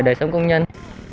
đời sống công nhân